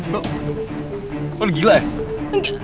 hah lo gila ya